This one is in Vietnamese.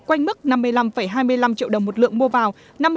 quanh mức năm mươi năm hai mươi năm triệu đồng một lượng mua vào